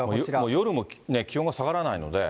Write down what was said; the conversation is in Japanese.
夜も気温が下がらないので。